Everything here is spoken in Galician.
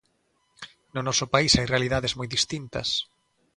No noso país hai realidades moi distintas.